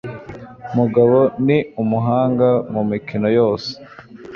Mugabo ni umuhanga mumikino yose.